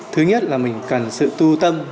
thứ nhất là mình cần sự tu tâm